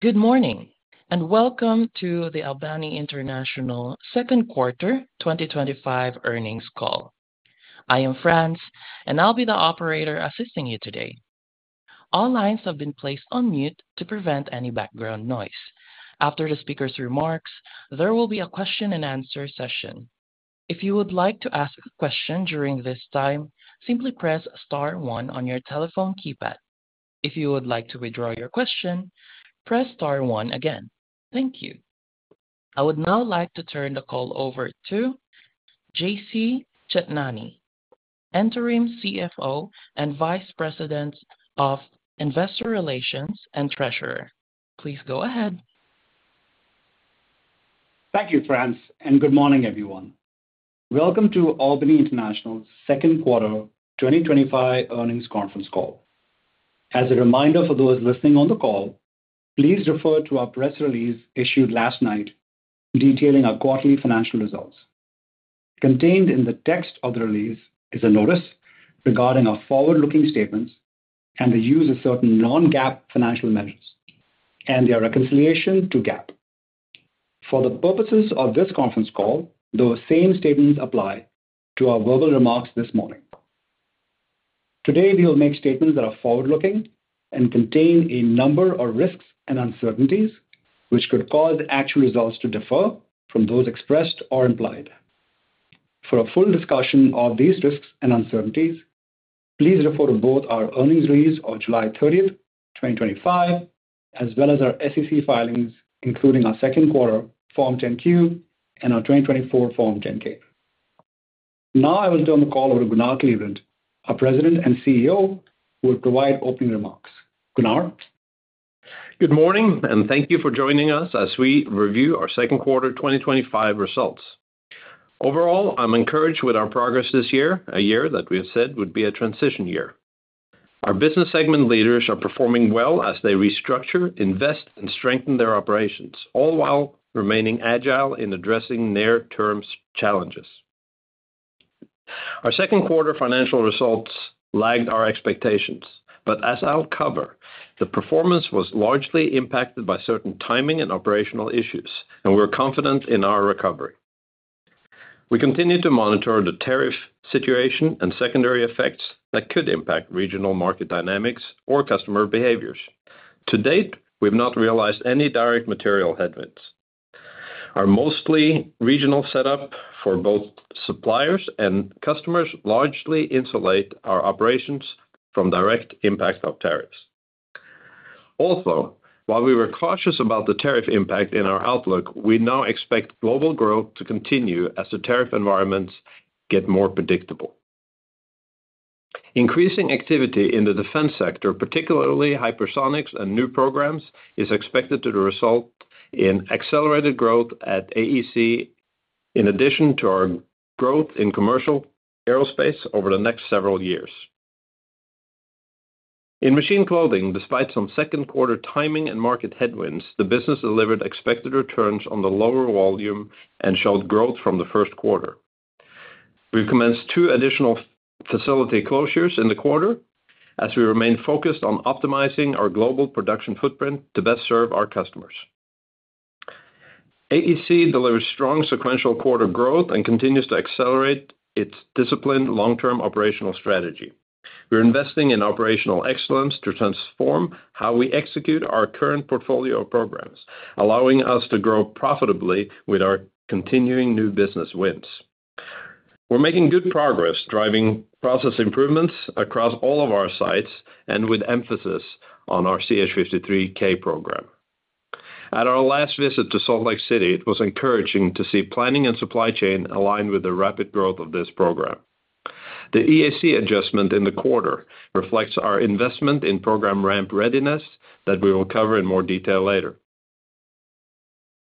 Good morning and welcome to the Albany International Second Quarter 2025 earnings call. I am Franz, and I'll be the operator assisting you today. All lines have been placed on mute to prevent any background noise. After the speaker's remarks, there will be a question-and-answer session. If you would like to ask a question during this time, simply press star one on your telephone keypad. If you would like to withdraw your question, press star one again. Thank you. I would now like to turn the call over to [Jairaj] Chetnani, Interim CFO and Vice President of Investor Relations, and Treasurer. Please go ahead. Thank you, Franz, and good morning, everyone. Welcome to Albany International's Second Quarter 2025 earnings conference call. As a reminder for those listening on the call, please refer to our press release issued last night detailing our quarterly financial results. Contained in the text of the release is a notice regarding our forward-looking statements and the use of certain non-GAAP financial methods and their reconciliation to GAAP. For the purposes of this conference call, those same statements apply to our verbal remarks this morning. Today, we will make statements that are forward-looking and contain a number of risks and uncertainties which could cause the actual results to differ from those expressed or implied. For a full discussion of these risks and uncertainties, please refer to both our earnings release of July 30, 2025, as well as our SEC filings, including our Second Quarter Form 10-Q and our 2024 Form 10-K. Now, I will turn the call over to Gunnar Kleveland, our President and CEO, who will provide opening remarks. Gunnar? Good morning, and thank you for joining us as we review our Second Quarter 2025 results. Overall, I'm encouraged with our progress this year, a year that we have said would be a transition year. Our business segment leaders are performing well as they restructure, invest, and strengthen their operations, all while remaining agile in addressing near-term challenges. Our second quarter financial results lagged our expectations, but as I'll cover, the performance was largely impacted by certain timing and operational issues, and we're confident in our recovery. We continue to monitor the tariff situation and secondary effects that could impact regional market dynamics or customer behaviors. To date, we've not realized any direct material headwinds. Our mostly regional setup for both suppliers and customers largely insulates our operations from direct impacts of tariffs. Also, while we were cautious about the tariff impact in our outlook, we now expect global growth to continue as the tariff environments get more predictable. Increasing activity in the defense sector, particularly hypersonics and new programs, is expected to result in accelerated growth at AEC, in addition to our growth in commercial aerospace over the next several years. In Machine Clothing, despite some second quarter timing and market headwinds, the business delivered expected returns on the lower volume and showed growth from the first quarter. We've commenced two additional facility closures in the quarter as we remain focused on optimizing our global production footprint to best serve our customers. AEC delivers strong sequential quarter growth and continues to accelerate its disciplined long-term operational strategy. We're investing in operational excellence to transform how we execute our current portfolio programs, allowing us to grow profitably with our continuing new business wins. We're making good progress driving process improvements across all of our sites and with emphasis on our CH-53K program. At our last visit to Salt Lake City, it was encouraging to see planning and supply chain aligned with the rapid growth of this program. The EAC adjustment in the quarter reflects our investment in program ramp readiness that we will cover in more detail later.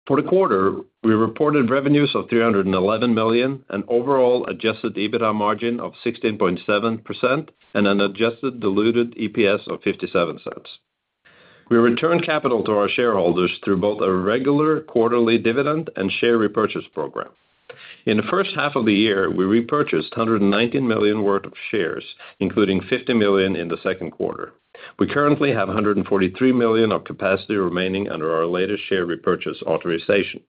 For the quarter, we reported revenues of $311 million, an overall adjusted EBITDA margin of 16.7%, and an adjusted diluted EPS of $0.57. We returned capital to our shareholders through both a regular quarterly dividend and share repurchase program. In the first half of the year, we repurchased $119 million worth of shares, including $50 million in the second quarter. We currently have $143 million of capacity remaining under our latest share repurchase authorization.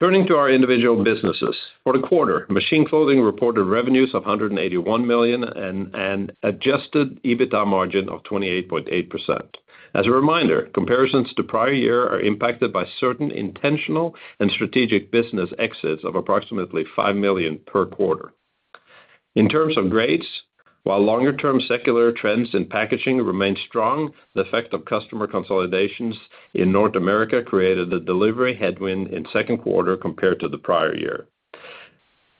Turning to our individual businesses, for the quarter, Machine Clothing reported revenues of $181 million and an adjusted EBITDA margin of 28.8%. As a reminder, comparisons to prior year are impacted by certain intentional and strategic business exits of approximately $5 million per quarter. In terms of grades, while longer-term secular trends in packaging remain strong, the effect of customer consolidations in North America created a delivery headwind in the second quarter compared to the prior year.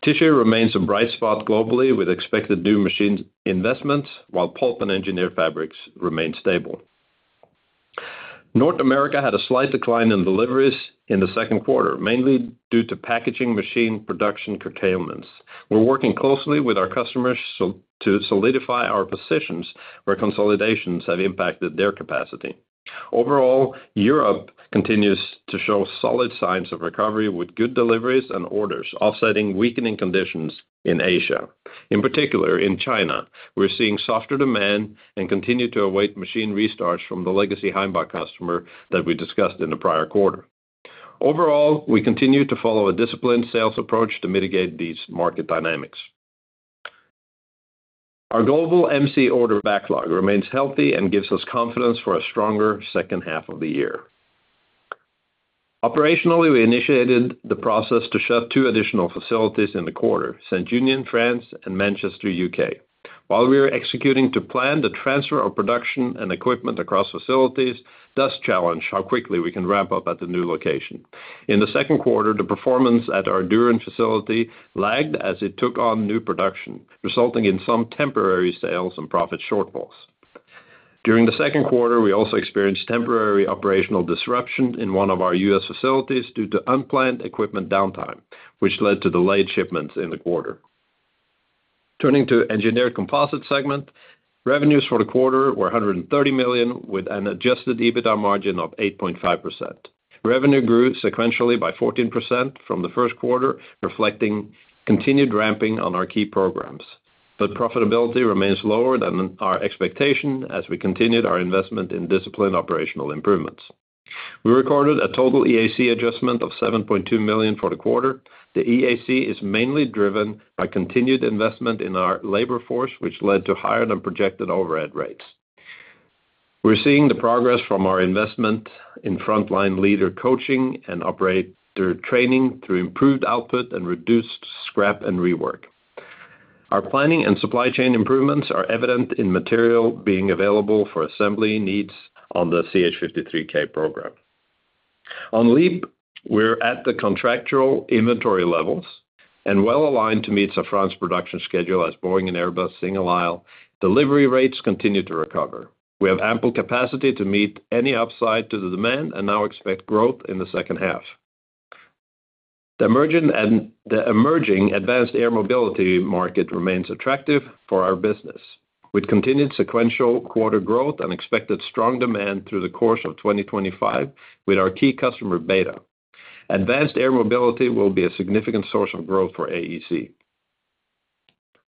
Tissue remains a bright spot globally with expected new machine investments, while Pulp and Engineered Fabrics remain stable. North America had a slight decline in deliveries in the second quarter, mainly due to packaging machine production curtailments. We're working closely with our customers to solidify our positions where consolidations have impacted their capacity. Overall, Europe continues to show solid signs of recovery with good deliveries and orders, offsetting weakening conditions in Asia. In particular, in China, we're seeing softer demand and continue to await machine restarts from the legacy Heimbach customer that we discussed in the prior quarter. Overall, we continue to follow a disciplined sales approach to mitigate these market dynamics. Our global MC order backlog remains healthy and gives us confidence for a stronger second half of the year. Operationally, we initiated the process to shut two additional facilities in the quarter: St. Union, France, and Manchester, U.K. While we are executing to plan the transfer of production and equipment across facilities, this challenges how quickly we can ramp up at the new location. In the second quarter, the performance at our Durham facility lagged as it took on new production, resulting in some temporary sales and profit shortfalls. During the second quarter, we also experienced temporary operational disruption in one of our U.S. facilities due to unplanned equipment downtime, which led to delayed shipments in the quarter. Turning to the Engineered Composites segment, revenues for the quarter were $130 million, with an adjusted EBITDA margin of 8.5%. Revenue grew sequentially by 14% from the first quarter, reflecting continued ramping on our key programs. Profitability remains lower than our expectation as we continued our investment in disciplined operational improvements. We recorded a total EAC adjustment of $7.2 million for the quarter. The EAC is mainly driven by continued investment in our labor force, which led to higher than projected overhead rates. We're seeing the progress from our investment in frontline leader coaching and operator training through improved output and reduced scrap and rework. Our planning and supply chain improvements are evident in material being available for assembly needs on the CH-53K program. On LEAP, we're at the contractual inventory levels and well aligned to meet Safran's production schedule as Boeing and Airbus single aisle delivery rates continue to recover. We have ample capacity to meet any upside to the demand and now expect growth in the second half. The emerging advanced air mobility market remains attractive for our business. With continued sequential quarter growth and expected strong demand through the course of 2025, with our key customer BETA, advanced air mobility will be a significant source of growth for AEC.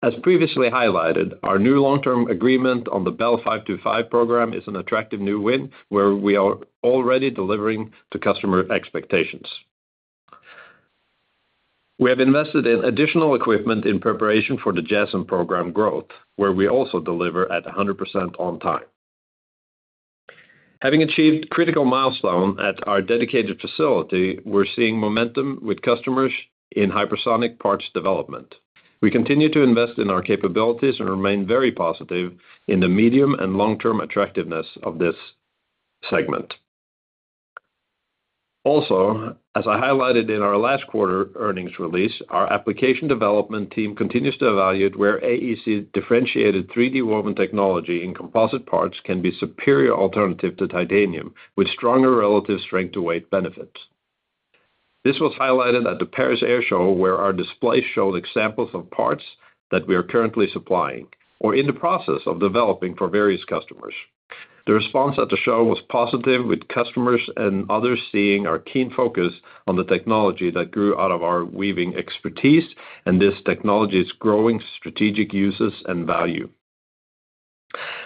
As previously highlighted, our new long-term agreement on the Bell 525 program is an attractive new win where we are already delivering to customer expectations. We have invested in additional equipment in preparation for the JASSM program growth, where we also deliver at 100% on time. Having achieved critical milestones at our dedicated facility, we're seeing momentum with customers in hypersonic parts development. We continue to invest in our capabilities and remain very positive in the medium and long-term attractiveness of this segment. Also, as I highlighted in our last quarter earnings release, our application development team continues to evaluate where AEC differentiated 3D woven technology in composite parts can be a superior alternative to titanium, with stronger relative strength-to-weight benefits. This was highlighted at the Paris Air Show, where our displays showed examples of parts that we are currently supplying or in the process of developing for various customers. The response at the show was positive, with customers and others seeing our keen focus on the technology that grew out of our weaving expertise and this technology's growing strategic uses and value.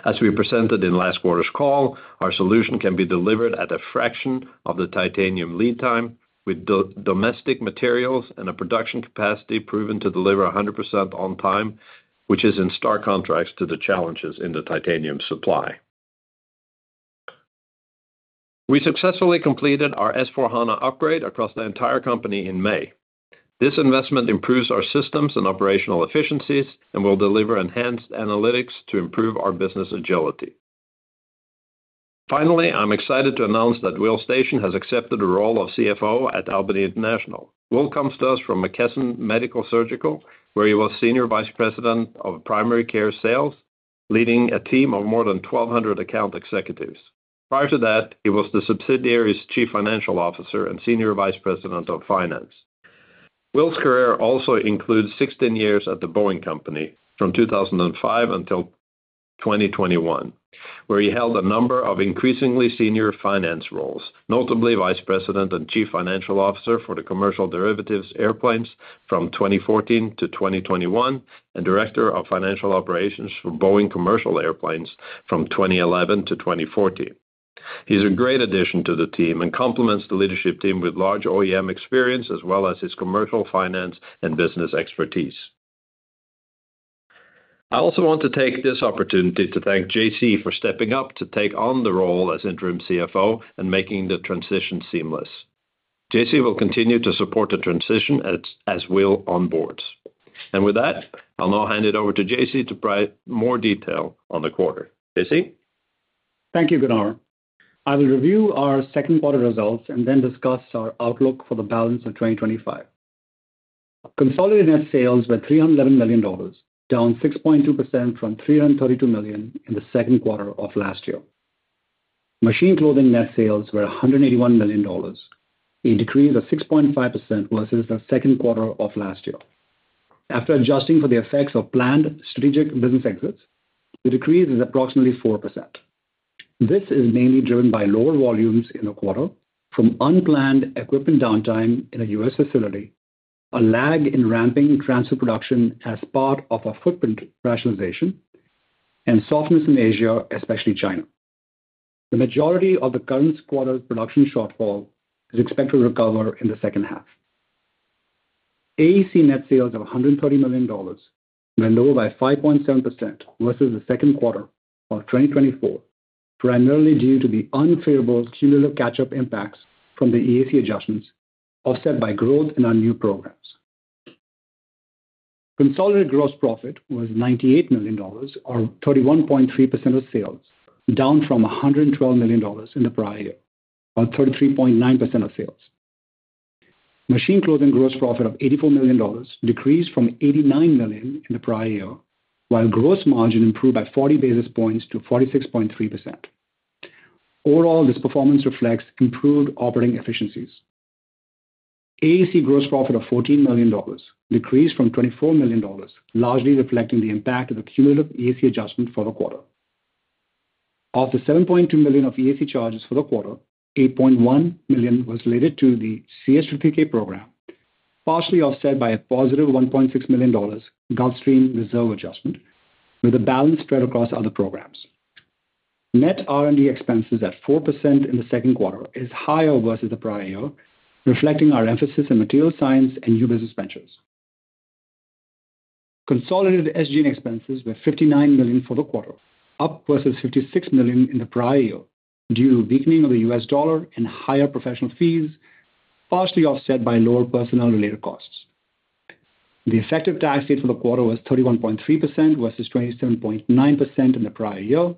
As we presented in last quarter's call, our solution can be delivered at a fraction of the titanium lead time, with domestic materials and a production capacity proven to deliver 100% on time, which is in stark contrast to the challenges in the titanium supply. We successfully completed our S/4HANA upgrade across the entire company in May. This investment improves our systems and operational efficiencies and will deliver enhanced analytics to improve our business agility. Finally, I'm excited to announce that Will Station has accepted the role of CFO at Albany International Corp. Will comes to us from McKesson Medical Surgical, where he was Senior Vice President of Primary Care Sales, leading a team of more than 1,200 account executives. Prior to that, he was the subsidiary's Chief Financial Officer and Senior Vice President of Finance. Will's career also includes 16 years at The Boeing Company from 2005-2021, where he held a number of increasingly senior finance roles, notably Vice President and Chief Financial Officer for the commercial derivatives airplanes from 2014-2021 and Director of Financial Operations for Boeing Commercial Airplanes from 2011-2014. He's a great addition to the team and complements the leadership team with large OEM experience, as well as his commercial finance and business expertise. I also want to take this opportunity to thank [Jairaj] for stepping up to take on the role as Interim CFO and making the transition seamless. [Jairaj] will continue to support the transition as Will onboards. With that, I'll now hand it over to [Jairaj] to provide more detail on the quarter. [Jairaj]? Thank you, Gunnar. I will review our second quarter results and then discuss our outlook for the balance of 2025. Consolidated net sales were $311 million, down 6.2% from $332 million in the second quarter of last year. Machine Clothing net sales were $181 million, a decrease of 6.5% versus the second quarter of last year. After adjusting for the effects of planned strategic business exits, the decrease is approximately 4%. This is mainly driven by lower volumes in the quarter from unplanned equipment downtime in a U.S. facility, a lag in ramping transfer production as part of a footprint rationalization, and softness in Asia, especially China. The majority of the current quarter's production shortfall is expected to recover in the second half. AEC net sales of $130 million were lower by 5.7% versus the second quarter of 2024, primarily due to the unfavorable cumulative catch-up impacts from the EAC adjustments offset by growth in our new programs. Consolidated gross profit was $98 million, or 31.3% of sales, down from $112 million in the prior year, or 33.9% of sales. Machine Clothing gross profit of $84 million decreased from $89 million in the prior year, while gross margin improved by 40 basis points to 46.3%. Overall, this performance reflects improved operating efficiencies. AEC gross profit of $14 million decreased from $24 million, largely reflecting the impact of the cumulative EAC adjustment for the quarter. Of the $7.2 million of EAC charges for the quarter, $8.1 million was related to the CH-53K program, partially offset by a +$1.6 million Gulfstream reserve adjustment, with a balanced spread across other programs. Net R&D expenses at 4% in the second quarter is higher versus the prior year, reflecting our emphasis on material science and new business ventures. Consolidated SG&A expenses were $59 million for the quarter, up versus $56 million in the prior year due to weakening of the U.S. dollar and higher professional fees, partially offset by lower personnel-related costs. The effective tax rate for the quarter was 31.3% versus 27.9% in the prior year.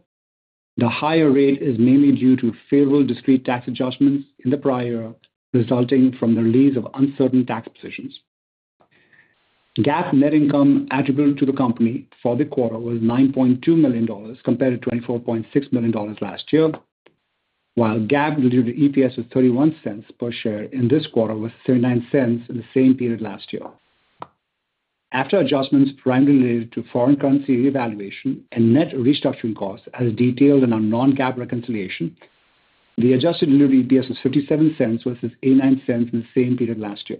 The higher rate is mainly due to favorable discrete tax adjustments in the prior year, resulting from the release of uncertain tax provisions. GAAP net income attributable to the company for the quarter was $9.2 million compared to $24.6 million last year, while GAAP delivered an EPS of $0.31 per share in this quarter was $0.39 in the same period last year. After adjustments primarily related to foreign currency reevaluation and net restructuring costs, as detailed in our non-GAAP reconciliation, the adjusted diluted EPS was $0.57 versus $0.89 in the same period last year.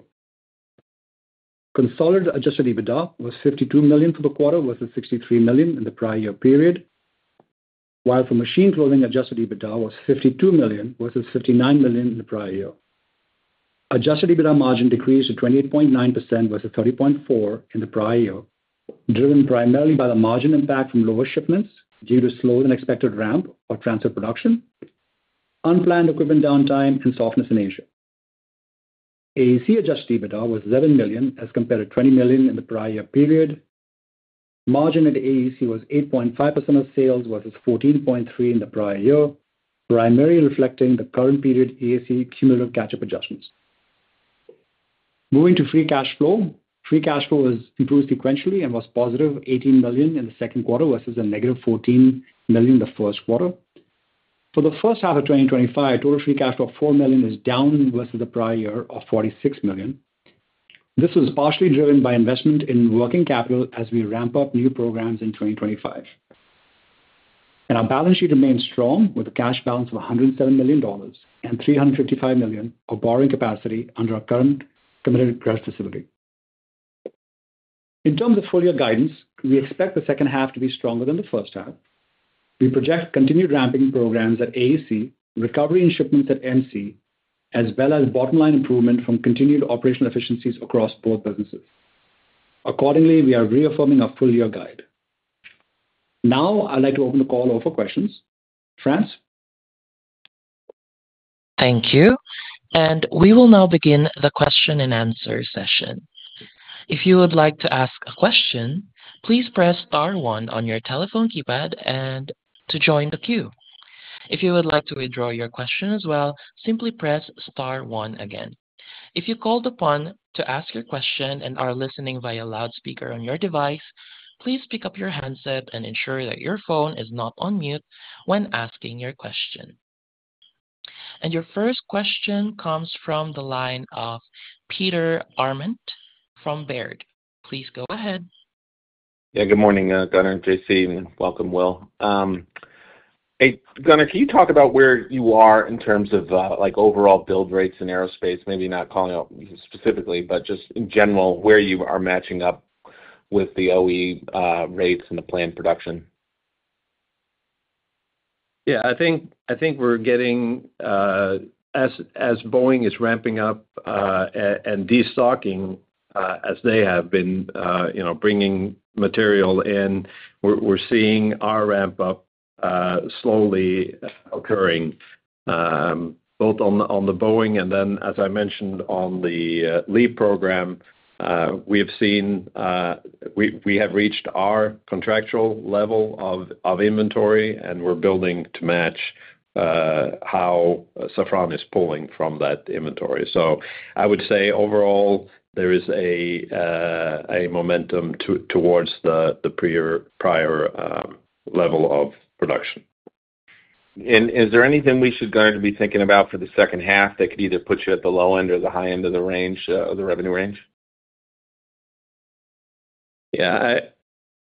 Consolidated adjusted EBITDA was $52 million for the quarter versus $63 million in the prior year period, while for Machine Clothing, adjusted EBITDA was $52 million versus $59 million in the prior year. Adjusted EBITDA margin decreased to 28.9% versus 30.4% in the prior year, driven primarily by the margin impact from lower shipments due to slower than expected ramp or transfer production, unplanned equipment downtime, and softness in Asia. AEC adjusted EBITDA was $11 million as compared to $20 million in the prior year period. Margin at AEC was 8.5% of sales versus 14.3% in the prior year, primarily reflecting the current period AEC cumulative catch-up adjustments. Moving to free cash flow, free cash flow was improved sequentially and was +$18 million in the second quarter versus a -$14 million in the first quarter. For the first half of 2025, total free cash flow of $4 million is down versus the prior year of $46 million. This was partially driven by investment in working capital as we ramp up new programs in 2025. Our balance sheet remains strong with a cash balance of $107 million and $355 million of borrowing capacity under our current committed credit facility. In terms of full-year guidance, we expect the second half to be stronger than the first half. We project continued ramping programs at AEC, recovery in shipments at MC, as well as bottom-line improvement from continued operational efficiencies across both businesses. Accordingly, we are reaffirming our full-year guide. Now, I'd like to open the call for questions. Franz? Thank you. We will now begin the question-and-answer session. If you would like to ask a question, please press star one on your telephone keypad to join the queue. If you would like to withdraw your question as well, simply press star one again. If you are called upon to ask your question and are listening via loudspeaker on your device, please pick up your headset and ensure that your phone is not on mute when asking your question. Your first question comes from the line of Peter Arment from Baird. Please go ahead. Good morning, Gunnar and [Jairaj]. Welcome, Will. Hey, Gunnar, can you talk about where you are in terms of overall build rates in aerospace? Maybe not calling out specifically, but just in general, where you are matching up with the OE rates and the planned production? I think we're getting, as The Boeing Company is ramping up and destocking, as they have been bringing material in, we're seeing our ramp up slowly occurring, both on The Boeing Company and then, as I mentioned, on the LEAP program. We have seen, we have reached our contractual level of inventory, and we're building to match how Safran is pulling from that inventory. I would say overall there is a momentum towards the prior level of production. Is there anything we should, Gunnar, be thinking about for the second half that could either put you at the low end or the high end of the revenue range? Yeah,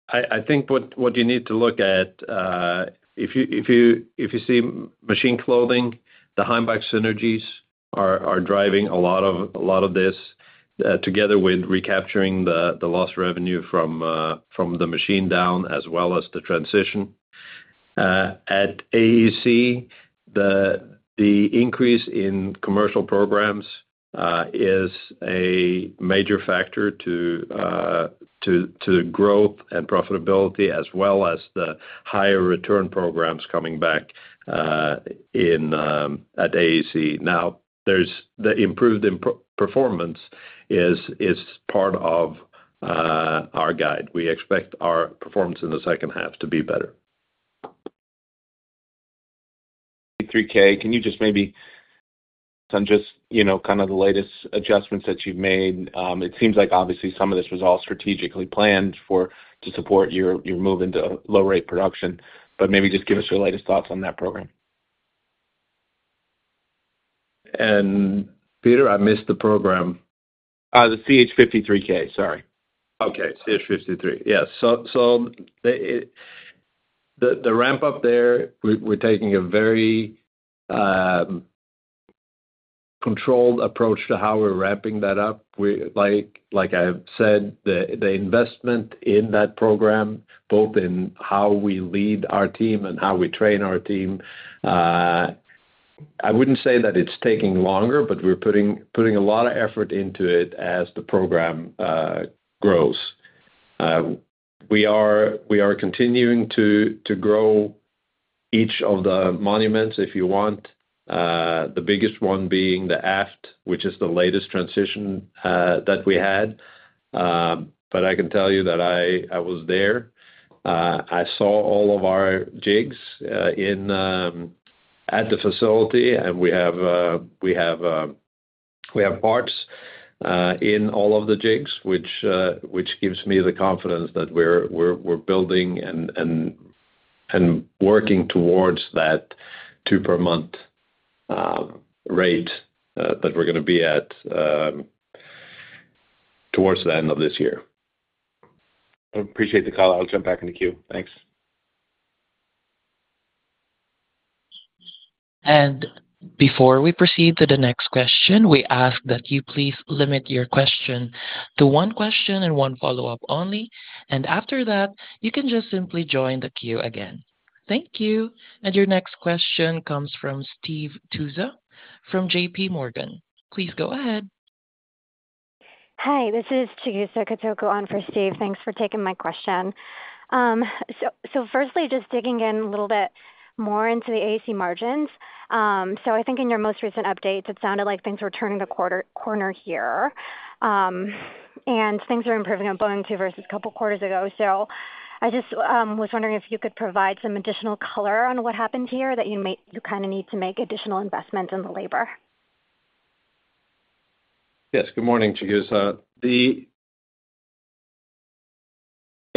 I think what you need to look at, if you see Machine Clothing, the Heimbach synergies are driving a lot of this, together with recapturing the lost revenue from the machine down, as well as the transition. At AEC, the increase in commercial programs is a major factor to the growth and profitability, as well as the higher return programs coming back at AEC. Now, the improved performance is part of our guide. We expect our performance in the second half to be better. Can you just maybe touch on kind of the latest adjustments that you've made? It seems like obviously some of this was all strategically planned to support your move into low-rate production, but maybe just give us your latest thoughts on that program. Peter, I missed the program. The CH-53K, sorry. Okay, CH-53. Yeah, so the ramp up there, we're taking a very controlled approach to how we're ramping that up. Like I said, the investment in that program, both in how we lead our team and how we train our team, I wouldn't say that it's taking longer, but we're putting a lot of effort into it as the program grows. We are continuing to grow each of the monuments, if you want. The biggest one being the AFT, which is the latest transition that we had. I can tell you that I was there. I saw all of our jigs at the facility, and we have parts in all of the jigs, which gives me the confidence that we're building and working towards that two per month rate that we're going to be at towards the end of this year. I appreciate the call. I'll jump back in the queue. Thanks. Before we proceed to the next question, we ask that you please limit your question to one question and one follow-up only. After that, you can simply join the queue again. Thank you. Your next question comes from Steve Tusa from JPMorgan. Please go ahead. Hi, this is Chigusa Katoku on for Steve. Thanks for taking my question. Firstly, just digging in a little bit more into the AEC margins. I think in your most recent updates, it sounded like things were turning a corner here. Things are improving on Boeing 2 versus a couple of quarters ago. I was wondering if you could provide some additional color on what happened here that you kind of need to make additional investments in the labor. Yes, good morning, Chigusa.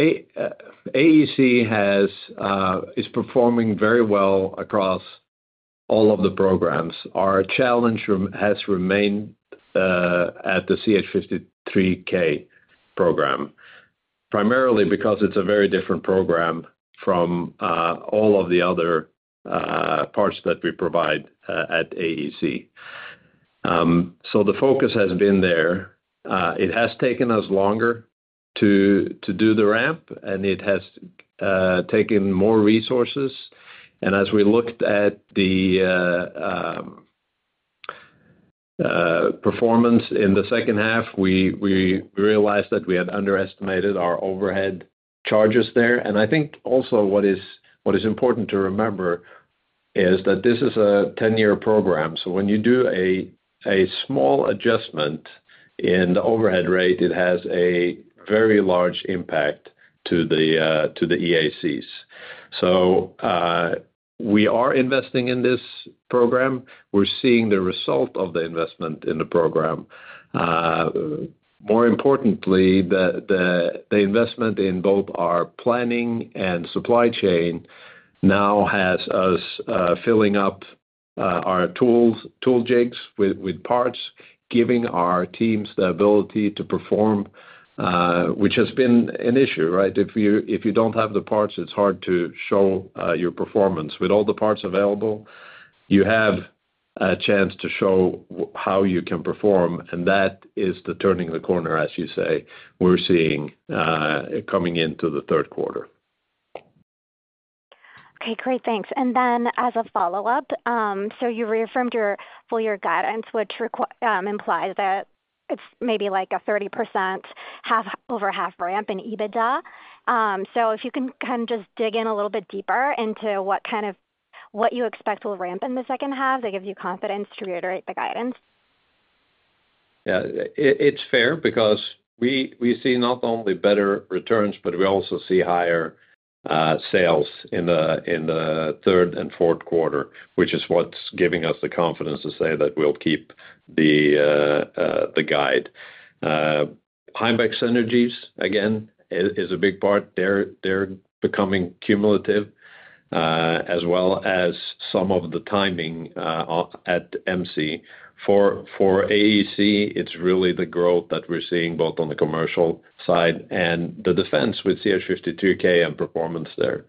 AEC is performing very well across all of the programs. Our challenge has remained at the CH-53K program, primarily because it's a very different program from all of the other parts that we provide at AEC. The focus has been there. It has taken us longer to do the ramp, and it has taken more resources. As we looked at the performance in the second half, we realized that we had underestimated our overhead charges there. I think also what is important to remember is that this is a 10-year program. When you do a small adjustment in the overhead rate, it has a very large impact to the EACs. We are investing in this program. We're seeing the result of the investment in the program. More importantly, the investment in both our planning and supply chain now has us filling up our tool jigs with parts, giving our teams the ability to perform, which has been an issue, right? If you don't have the parts, it's hard to show your performance. With all the parts available, you have a chance to show how you can perform. That is the turning the corner, as you say, we're seeing coming into the third quarter. Okay, great, thanks. As a follow-up, you reaffirmed your full-year guidance, which implies that it's maybe like a 30% over half ramp in EBITDA. If you can just dig in a little bit deeper into what you expect will ramp in the second half to give you confidence to reiterate the guidance. Yeah, it's fair because we see not only better returns, but we also see higher sales in the third and fourth quarter, which is what's giving us the confidence to say that we'll keep the guide. Heimbach synergies again is a big part. They're becoming cumulative, as well as some of the timing at MC. For AEC, it's really the growth that we're seeing both on the commercial side and the defense with CH-53K and performance there.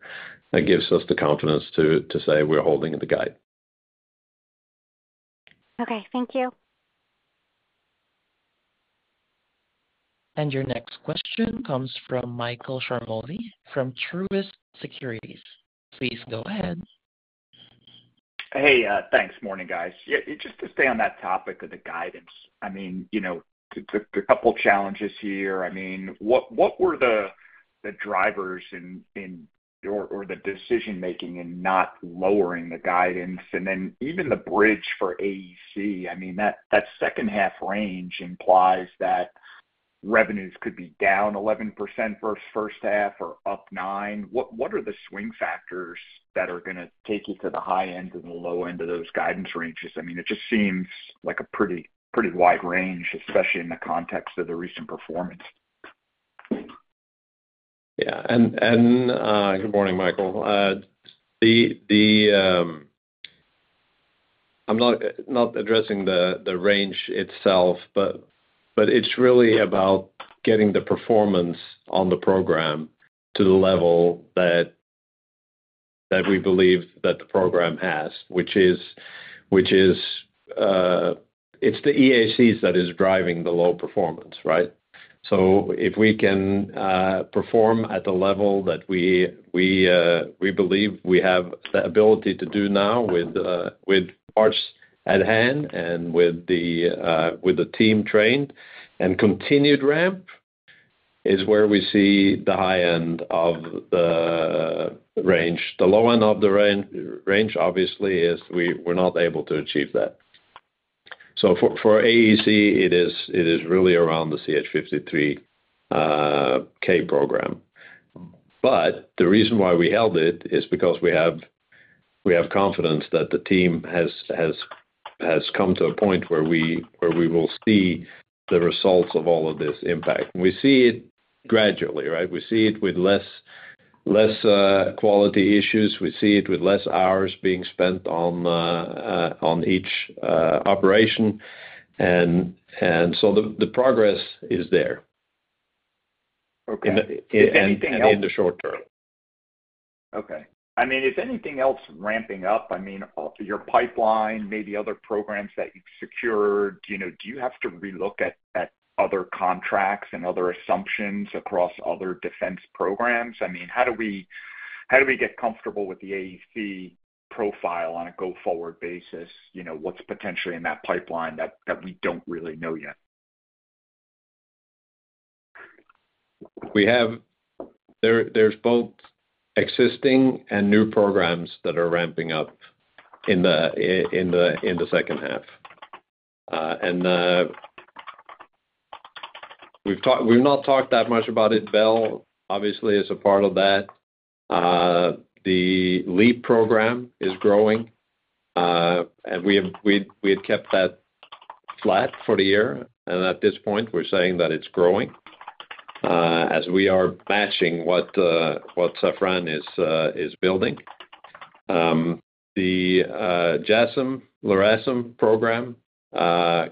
That gives us the confidence to say we're holding the guide. Okay, thank you. Your next question comes from Michael Ciarmoli from Truist Securities. Please go ahead. Hey, thanks. Morning, guys. Just to stay on that topic of the guidance, the couple of challenges here, what were the drivers in or the decision-making in not lowering the guidance? Even the bridge for AEC, that second half range implies that revenues could be down 11% for its first half or up 9%. What are the swing factors that are going to take you to the high end and the low end of those guidance ranges? It just seems like a pretty wide range, especially in the context of the recent performance. Yeah, and good morning, Michael. I'm not addressing the range itself, but it's really about getting the performance on the program to the level that we believe that the program has, which is the EACs that is driving the low performance, right? If we can perform at the level that we believe we have the ability to do now with parts at hand and with the team trained and continued ramp is where we see the high end of the range. The low end of the range, obviously, is we're not able to achieve that. For AEC, it is really around the CH-53K program. The reason why we held it is because we have confidence that the team has come to a point where we will see the results of all of this impact. We see it gradually, right? We see it with less quality issues. We see it with less hours being spent on each operation, and so the progress is there in the short term. Okay. If anything else is ramping up, your pipeline, maybe other programs that you've secured, do you have to relook at other contracts and other assumptions across other defense programs? How do we get comfortable with the AEC profile on a go-forward basis? What's potentially in that pipeline that we don't really know yet? We have, there's both existing and new programs that are ramping up in the second half. We've not talked that much about it. Bell, obviously, is a part of that. The LEAP program is growing, and we had kept that flat for the year. At this point, we're saying that it's growing as we are matching what Safran is building. The JASSM/LRASM program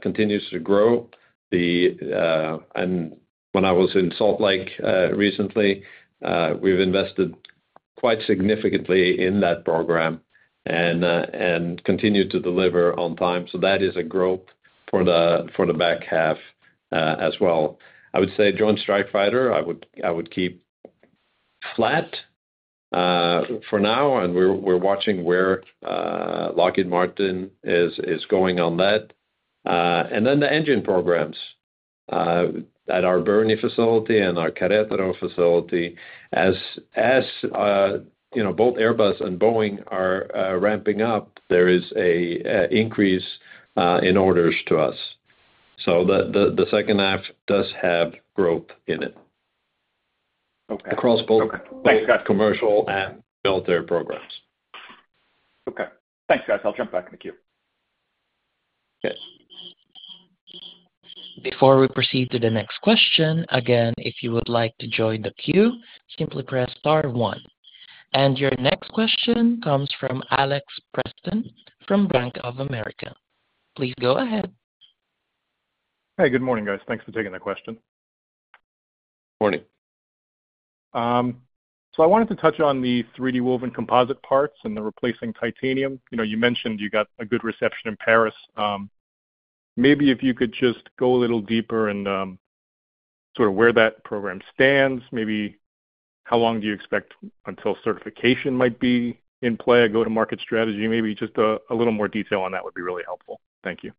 continues to grow. When I was in Salt Lake recently, we've invested quite significantly in that program and continue to deliver on time. That is a growth for the back half as well. I would say Joint Strike Fighter, I would keep flat for now. We're watching where Lockheed Martin is going on that. The engine programs at our Bernie facility and our Querétaro facility, as both Airbus and The Boeing Company are ramping up, there is an increase in orders to us. The second half does have growth in it across both commercial and military programs. Okay. Thanks, guys. I'll jump back in the queue. Okay. Before we proceed to the next question, if you would like to join the queue, simply press star one. Your next question comes from Alex Preston from Bank of America. Please go ahead. Hey, good morning, guys. Thanks for taking the question. Morning. I wanted to touch on the 3D woven composite parts and the replacing titanium. You mentioned you got a good reception in Paris. Maybe if you could just go a little deeper and sort of where that program stands, maybe how long do you expect until certification might be in play, a go-to-market strategy, maybe just a little more detail on that would be really helpful. Thank you.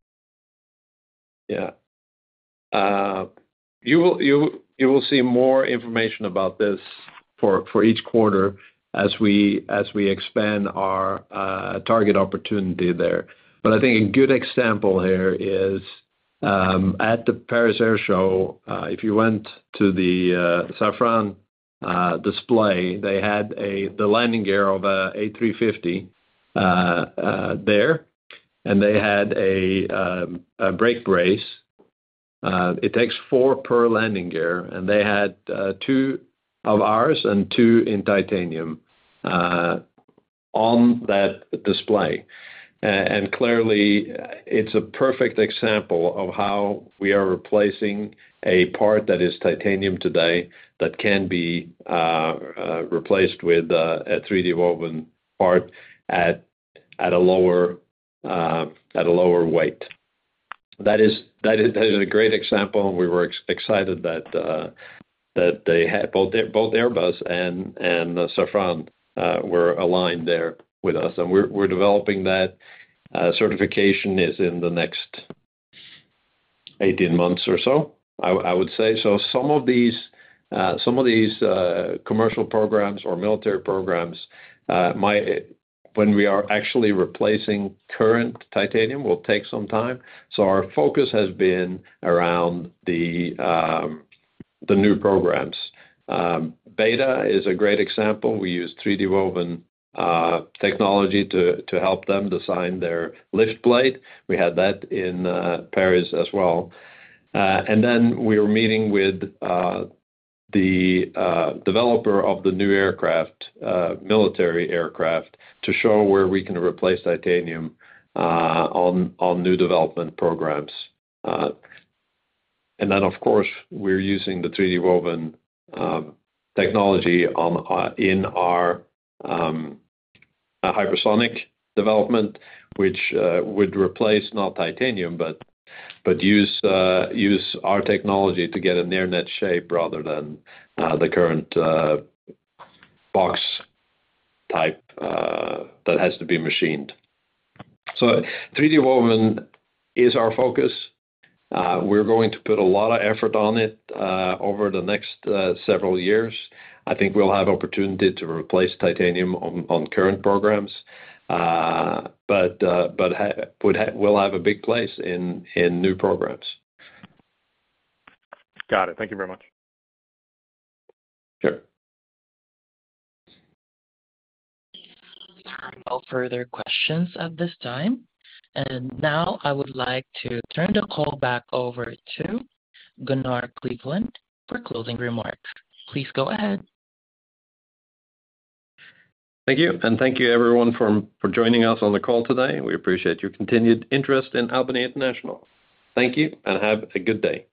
Yeah. You will see more information about this for each quarter as we expand our target opportunity there. I think a good example here is at the Paris Air Show, if you went to the Safran display, they had the landing gear of an A350 there, and they had a brake brace. It takes four per landing gear, and they had two of ours and two in titanium on that display. Clearly, it's a perfect example of how we are replacing a part that is titanium today that can be replaced with a 3D woven part at a lower weight. That is a great example, and we were excited that both Airbus and Safran were aligned there with us. We're developing that. Certification is in the next 18 months or so, I would say. Some of these commercial programs or military programs, when we are actually replacing current titanium, will take some time. Our focus has been around the new programs. BETA is a great example. We use 3D woven technology to help them design their lift plate. We had that in Paris as well. We were meeting with the developer of the new aircraft, military aircraft, to show where we can replace titanium on new development programs. Of course, we're using the 3D woven technology in our hypersonic development, which would replace not titanium, but use our technology to get a near net shape rather than the current box type that has to be machined. 3D woven is our focus. We're going to put a lot of effort on it over the next several years. I think we'll have an opportunity to replace titanium on current programs, but we'll have a big place in new programs. Got it. Thank you very much. Sure. There are no further questions at this time. I would like to turn the call back over to Gunnar Kleveland for closing remarks. Please go ahead. Thank you, and thank you, everyone, for joining us on the call today. We appreciate your continued interest in Albany International. Thank you and have a good day.